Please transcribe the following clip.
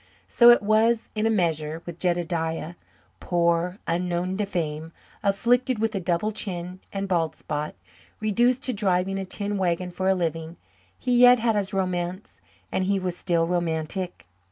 So it was, in a measure, with Jedediah; poor, unknown to fame, afflicted with a double chin and bald spot, reduced to driving a tin wagon for a living, he yet had his romance and he was still romantic.